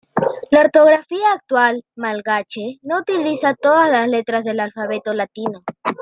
La ortografía actual malgache no utiliza todas las letras del alfabeto latino.